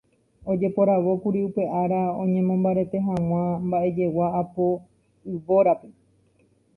Ojeporavókuri upe ára oñemombarete hag̃ua mba'ejegua apo yvórape.